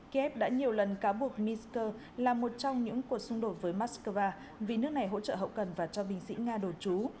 kiev đã nhiều lần cáo buộc minsk là một trong những cuộc xung đột với moscow vì nước này hỗ trợ hậu cần và cho binh sĩ nga đồn trú